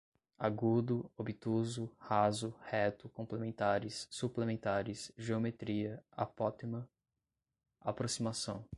agudo, obtuso, raso, reto, complementares, suplementares, geometria, apótema, aproximação